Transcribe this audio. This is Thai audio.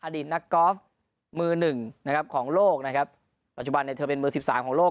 อดีตนักกอล์ฟมือหนึ่งนะครับของโลกนะครับปัจจุบันเนี่ยเธอเป็นมือสิบสามของโลก